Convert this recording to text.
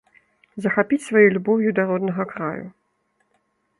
Захапіць сваёй любоўю да роднага краю.